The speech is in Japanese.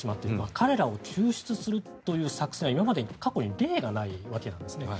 彼らを救出するという作戦は過去に例がないわけですね。